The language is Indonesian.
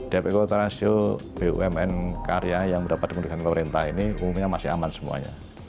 dpku taransio bumn karya yang dapat diberikan pemerintah ini umumnya masih aman semuanya